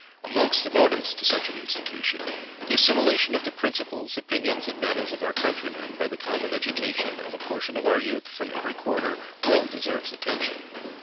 Amongst the motives to such an institution, the assimilation of the principles, opinions, and manners of our country men by the common education of a portion of our youth from every quarter well deserves attention.